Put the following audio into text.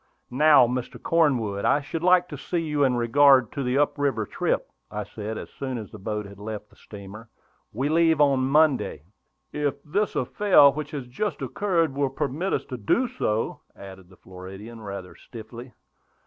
"Now, Mr. Cornwood, I should like to see you in regard to the up river trip," I said, as soon as the boat had left the steamer. "We leave on Monday." "If this affair which has just occurred will permit us to do so," added the Floridian, rather stiffly.